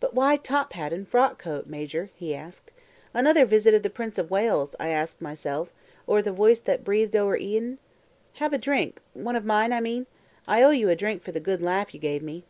"But why top hat and frock coat, Major?" he asked. "Another visit of the Prince of Wales, I asked myself, or the Voice that breathed o'er Eden? Have a drink one of mine, I mean? I owe you a drink for the good laugh you gave me."